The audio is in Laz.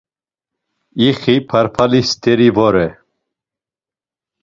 İxi parpali steri vore.